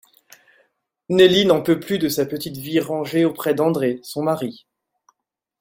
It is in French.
Nelly n'en peut plus de sa petite vie rangée auprès d'André, son mari.